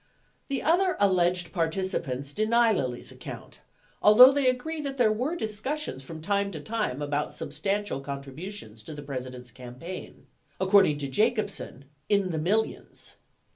36 The other alleged participants deny Lilly's account, although they agree that there were discussions from time to time about substantial contributions to the President's campaign — according to Jacobsen, "in the millions."